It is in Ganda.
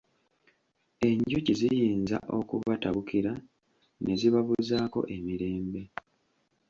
Enjuki ziyinza okubatabukira ne zibabuzaako emirembe.